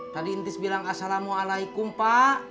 tadi intis bilang assalamualaikum pak